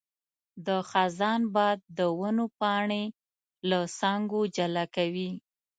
د خزان باد د ونو پاڼې له څانګو جلا کوي.